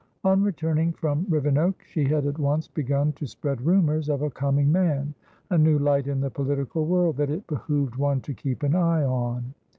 On returning from Rivenoak, she had at once begun to spread rumours of a "coming man", a new light in the political world, that it behooved one to keep an eye on.